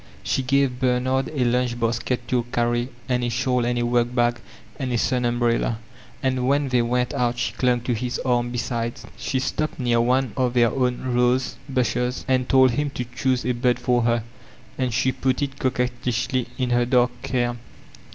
She gave Bernard a lunch basket to carry and a dmml and a workbag and a sun umbrella, and when they went out she clung to his arm besides. She stopped near one of their own rose bushes and told him to choose a bod for her, and she put it coquettishly in her dark hair.